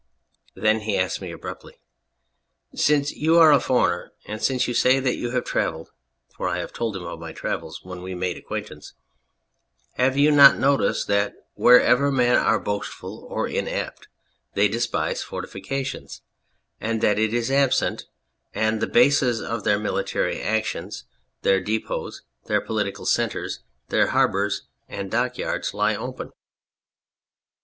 ..." Then he asked me abruptly :" Since you are a foreigner and since you say that you have travelled (for I had told him of my travels when we made acquaintance), have you not noticed that wherever men are boastful or inept they despise fortifications, and that it is absent, and that the bases of their military action, their depots, their political centres, their harbours and dockyards lie open